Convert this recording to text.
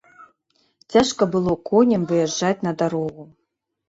Цяжка было коням выязджаць на дарогу.